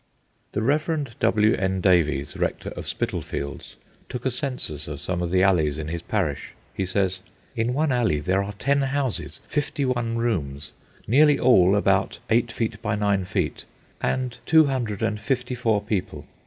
The Rev. W. N. Davies, rector of Spitalfields, took a census of some of the alleys in his parish. He says:— In one alley there are ten houses—fifty one rooms, nearly all about 8 feet by 9 feet—and 254 people.